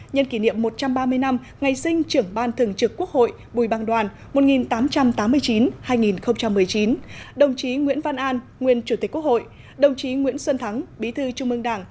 nhân kỷ niệm một trăm ba mươi năm ngày sinh trưởng ban thường trực quốc hội bùi băng đoàn một nghìn tám trăm tám mươi chín hai nghìn một mươi chín đồng chí nguyễn văn an nguyên chủ tịch quốc hội đồng chí nguyễn xuân thắng bí thư trung mương đảng